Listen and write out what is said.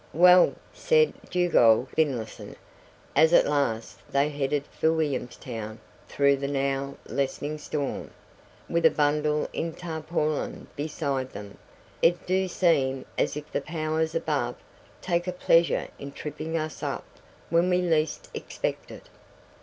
"Well," said Dugald Finlayson, as at last they headed for Williamstown through the now lessening storm, with a bundle in tarpaulin beside them, "it do seem as if the Powers above take a pleasure in tripping us up when we least expect it."